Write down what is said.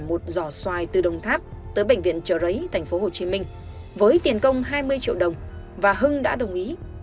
một giò xoài từ đồng tháp tới bệnh viện chợ rẫy thành phố hồ chí minh với tiền công hai mươi triệu đồng và hưng đã đồng ý